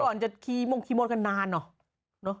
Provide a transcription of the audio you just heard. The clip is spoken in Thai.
เพราะว่าก่อนจะมุ่งคีโมนกันนานก็นานเนาะ